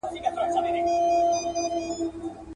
ما د ایپي فقیر اورغوي کي کتلې اشنا.